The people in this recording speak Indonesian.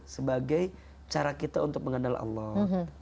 sebagai cara kita untuk mengenal allah